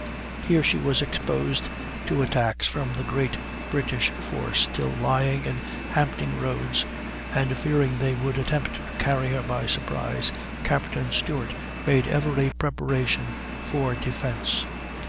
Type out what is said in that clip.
Here she was exposed to attacks from the great British force still lying in Hampton Roads, and, fearing they would attempt to carry her by surprise, Captain Stewart made every preparation for defence.